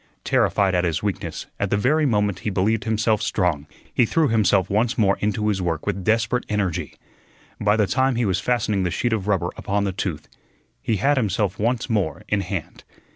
Terrified at his weakness at the very moment he believed himself strong, he threw himself once more into his work with desperate energy. By the time he was fastening the sheet of rubber upon the tooth, he had himself once more in hand.